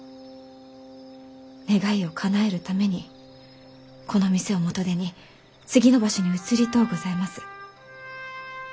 願いをかなえるためにこの店を元手に次の場所に移りとうございます。